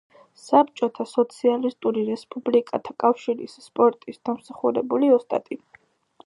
საბჭოთა სოციალისტური რესპუბლიკათა კავშირის სპორტის დამსახურებული ოსტატი.